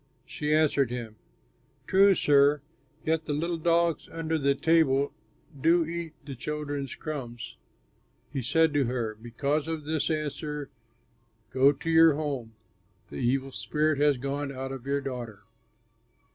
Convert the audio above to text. She answered him, "True, sir, yet the little dogs under the table do eat the children's crumbs." He said to her, "Because of this answer go to your home; the evil spirit has gone out of your daughter."